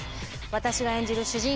私が演じる主人